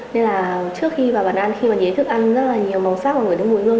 nên là trước khi vào bản ăn khi mà nhìn thấy thức ăn rất là nhiều màu sắc và ngửi thấy mùi hương